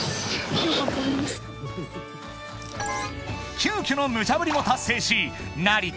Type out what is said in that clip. ［急きょのムチャぶりも達成し成田